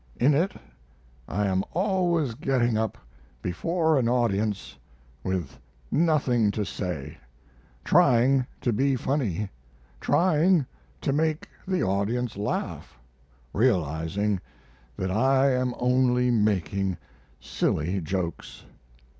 In it I am always getting up before an audience with nothing to say, trying to be funny; trying to make the audience laugh, realizing that I am only making silly jokes.